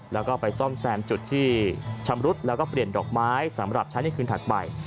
แล้วก็ไปซ่อมแซมจุดที่ชำรุดแล้วก็เปลี่ยนดอกไม้สำหรับใช้ในคืนถัดไป